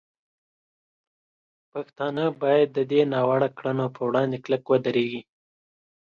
پښتانه باید د دې ناوړه کړنو په وړاندې کلک ودرېږي.